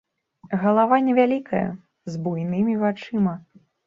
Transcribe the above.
Галава невялікая, з буйнымі вачыма.